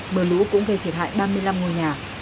mưa lũ cũng gây thiệt hại ba mươi năm ngôi nhà